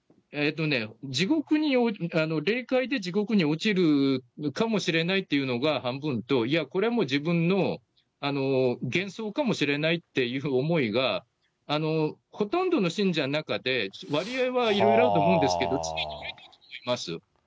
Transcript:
霊界で地獄に落ちるかもしれないというのが半分と、いや、これはもう自分の幻想かもしれないっていう思いが、ほとんどの信者の中で、割合はいろいろあると思うんですけど、常にあると思います。